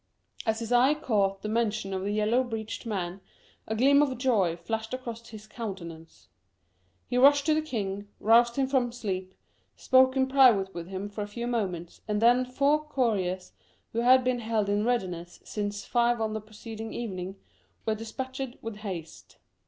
As his eye caught the * mention of the yellow breeched man, a gleam of joy flashed across his countenance. He rushed to the king, roused him from sleep, spoke in private with him for a few moments, and then four couriers who had been held in readiness since five on the pre ceding evening were despatched with haste.